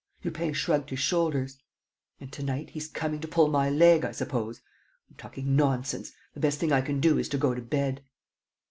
..." Lupin shrugged his shoulders: "And to night he's coming to pull my leg, I suppose! I'm talking nonsense. The best thing I can do is to go to bed."